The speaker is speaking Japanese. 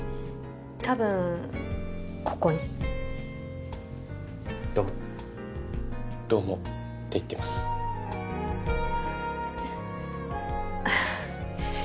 多分ここにどうも「どうも」って言ってますえっ